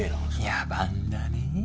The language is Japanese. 野蛮だねぇ。